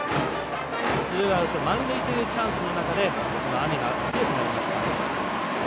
ツーアウト、満塁というチャンスで雨が強くなりました。